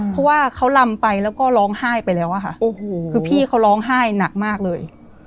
เพราะว่าเขาลำไปแล้วก็ร้องไห้ไปแล้วอะค่ะคือพี่เขาร้องไห้หนักมากเลย